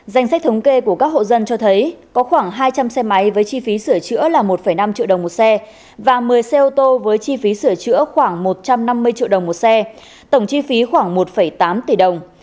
danh sách thống kê của các hộ dân cho thấy có khoảng hai trăm linh xe máy với chi phí sửa chữa là một năm triệu đồng một xe và một mươi xe ô tô với chi phí sửa chữa khoảng một trăm năm mươi triệu đồng